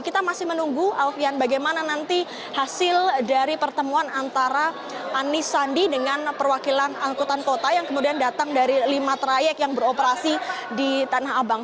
kita masih menunggu alfian bagaimana nanti hasil dari pertemuan antara anies sandi dengan perwakilan angkutan kota yang kemudian datang dari lima trayek yang beroperasi di tanah abang